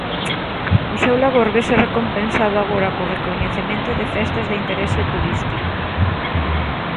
O seu labor vese recompensado agora co recoñecemento de Festas de Interese Turístico.